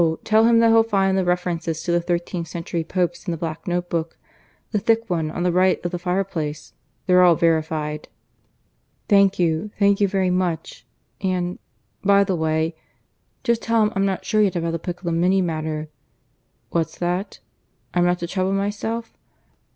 tell him that he'll find the references to the thirteenth century Popes in the black notebook the thick one on the right of the fire place. They're all verified. Thank you, thank you very much. ... and ... by the way ... just tell him I'm not sure yet about the Piccolomini matter. ... What's that? I'm not to trouble myself? ..